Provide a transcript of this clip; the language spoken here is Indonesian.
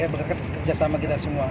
berkat kerjasama kita semua